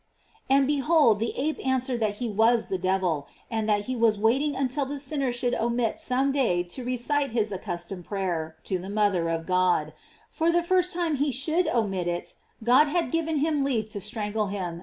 And behold, the ap« answered that he was the devil, and that he was waiting until that sinner should omit some day to recite his accustomed prayer to the mother of God; for the first time he should omit it, God had given him leave to strangle him?